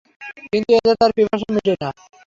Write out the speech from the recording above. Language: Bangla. কিন্তু এতে তার পিপাসা মিটে না।